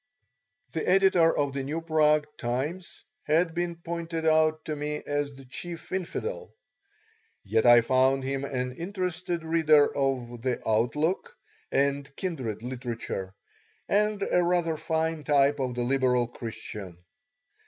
The editor of the New Prague Times had been pointed out to me as the chief infidel, yet I found him an interested reader of The Outlook and kindred literature, and a rather fine type of the liberal Christian.